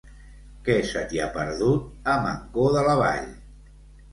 Què se t'hi ha perdut, a Mancor de la Vall?